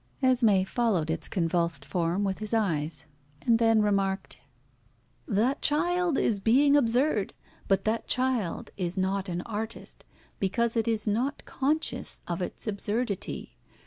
Esmé followed its convulsed form with his eyes, and then remarked "That child is being absurd; but that child is not an artist, because it is not conscious of its absurdity.